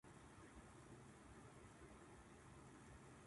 夏の台所って、地獄だよね。